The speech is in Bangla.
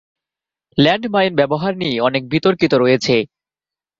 ল্যান্ড মাইন ব্যবহার নিয়ে অনেক বিতর্কিত রয়েছে।